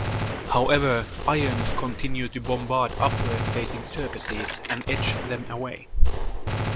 However, ions continue to bombard upward-facing surfaces and etch them away.